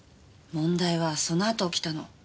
問題はその後起きたの。